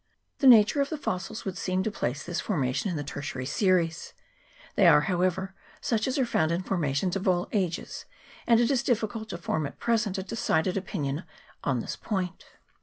The nature of the fossils would seem to place this formation in the tertiary series ; they are, however, such as are found in formations of all ages, and it is difficult to form at present ^decided opinion on this point.